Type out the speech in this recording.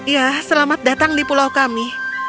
ya selamat datang di pulau kami